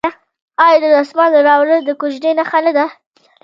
آیا د دسمال راوړل د کوژدې نښه نه ده؟